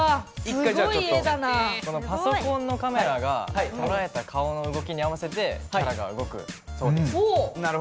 パソコンのカメラがとらえた顔の動きに合わせてキャラが動くそうです。